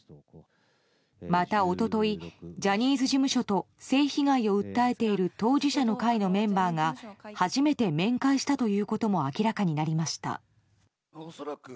また一昨日、ジャニーズ事務所と性被害を訴えている当事者の会のメンバーが初めて面会したということも明らかになりました。